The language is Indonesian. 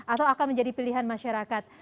atau akan menjadi pilihan masyarakat